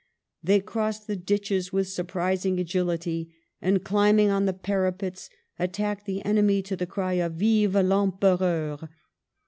They crossed the ditches with surprising agility ; and, climbing on the parapets, attacked the enemy to the cry of ' Vive I'Empereur